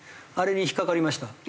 あれに引っかかりました。